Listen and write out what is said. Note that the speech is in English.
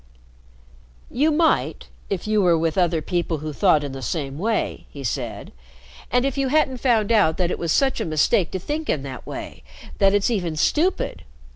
"You might, if you were with other people who thought in the same way," he said, "and if you hadn't found out that it is such a mistake to think in that way, that it's even stupid.